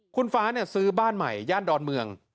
คุณฟ้าซื้อบ้านใหม่ย่านดอนเมือง